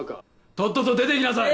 とっとと出ていきなさい。